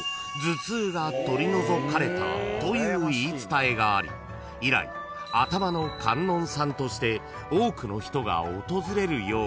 ［という言い伝えがあり以来頭の観音さんとして多くの人が訪れるように］